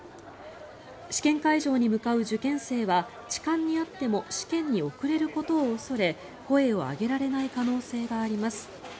試験会場に向かう受験生は痴漢に遭っても試験に遅れることを恐れ声を上げられない可能性があります。